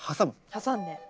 挟んで。